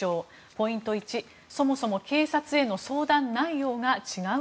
ポイント１、そもそも警察への相談内容が違う？